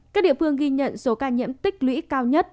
các địa phương ghi nhận số ca nhiễm tích lũy cao nhất